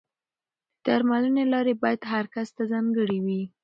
د درملنې لارې باید هر کس ته ځانګړې وي.